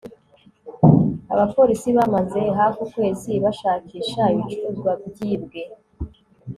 Abapolisi bamaze hafi ukwezi bashakisha ibicuruzwa byibwe